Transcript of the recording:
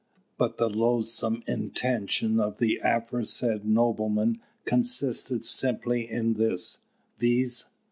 But the loathsome intention of the aforesaid nobleman consisted simply in this: viz.